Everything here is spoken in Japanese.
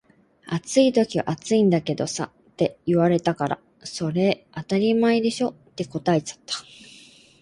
「暑い時は暑いんだけどさ」って言われたから「それ当たり前でしょ」って答えちゃった